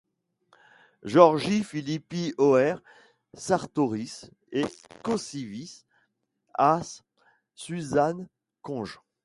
Georgii Philippi Hauer, sartoris et concivis, as Suzanne conj.